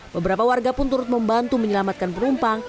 beberapa warga pun turut membantu menyelamatkan penumpang